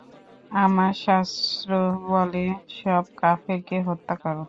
আমার শাস্ত্র বলে, সব কাফেরকে হত্যা কর।